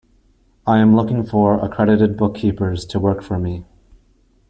I am looking for accredited bookkeepers to work for me.